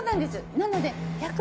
なので。